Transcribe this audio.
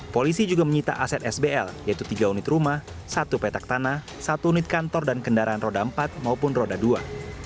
polisi juga menyita aset sbl yaitu tiga unit rumah satu petak tanah satu unit kantor dan kendaraan roda empat maupun roda dua